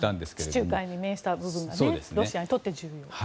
地中海に面した部分がロシアにとって重要だと。